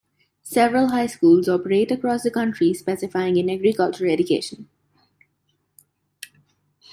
Several high schools operate across the country specifying in agriculture education.